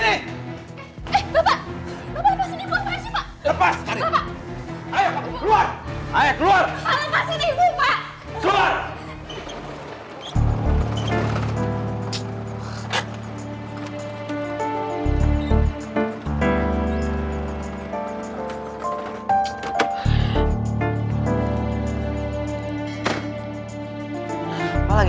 eh bapak bapak lepasin ibu apaan sih pak